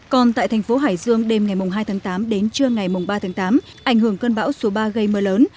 còn tại thành phố hải dương đêm ngày hai tháng tám đến trưa ngày ba tháng tám ảnh hưởng cơn bão số ba gây mưa lớn